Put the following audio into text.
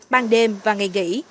ban đêm và ngày nghỉ